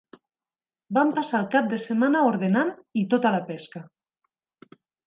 Vam passar el cap de setmana ordenant i tota la pesca.